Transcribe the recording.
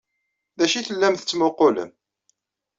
D acu ay tellam tettmuqqulem?